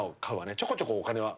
ちょこちょこお金は。